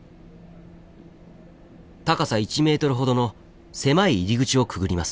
高さ１ｍほどの狭い入り口をくぐります。